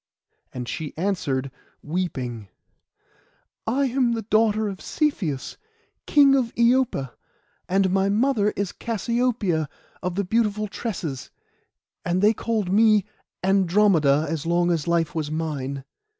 And she answered, weeping— 'I am the daughter of Cepheus, King of Iopa, and my mother is Cassiopoeia of the beautiful tresses, and they called me Andromeda, as long as life was mine.